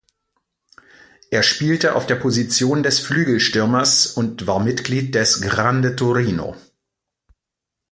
Er spielte auf der Position des Flügelstürmers und war Mitglied des "Grande Torino".